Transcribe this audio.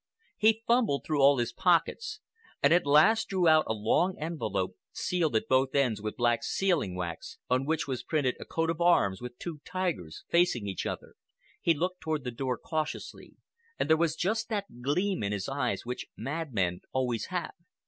He fumbled through all his pockets and at last he drew out a long envelope, sealed at both ends with black sealing wax on which was printed a coat of arms with two tigers facing each other. He looked toward the door cautiously, and there was just that gleam in his eyes which madmen always have.